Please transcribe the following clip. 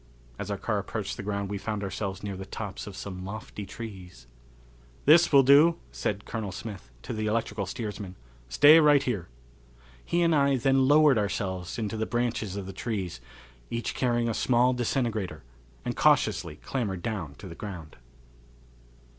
As our car approached the ground we found ourselves near the tops of some lofty trees. "This will do," said Colonel Smith, to the electrical steersman. "Stay right here." He and I then lowered ourselves into the branches of the trees, each carrying a small disintegrator, and cautiously clambered down to the ground.